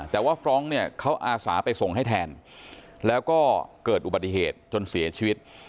แต่ว่าฟรองก์เนี่ยเขาอาสาไปส่งให้แทนแล้วก็เกิดอุบัติเหตุจนเสียชีวิต